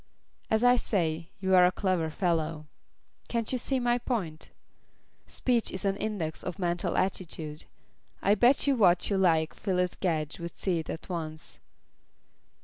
As I say, you're a clever fellow. Can't you see my point? Speech is an index of mental attitude. I bet you what you like Phyllis Gedge would see it at once.